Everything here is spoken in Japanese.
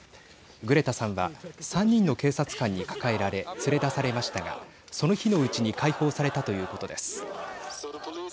グレタさんは３人の警察官に抱えられ連れ出されましたがその日のうちに解放されたということです。